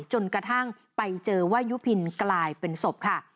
จนกระทั่งไปเจอว่ายุพินกลายเป็นศพค่ะ